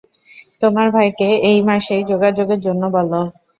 তোমার ভাইকে এই মাসেই যোগাযোগের জন্য বলো।